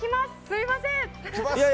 すみません。